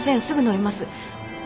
すぐ乗ります。